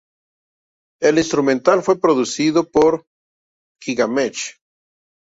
El instrumental fue producido por Gigamesh.